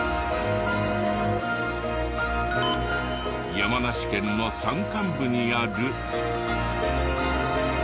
山梨県の山間部にある。